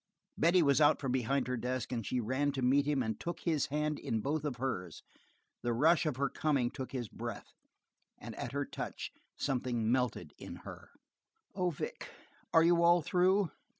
Betty was out from behind her desk and she ran to meet him and took his hand in both of hers. The rush of her coming took his breath, and at her touch something melted in her. "Oh, Vic, are you all through?"